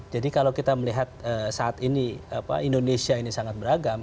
kalau kita melihat saat ini indonesia ini sangat beragam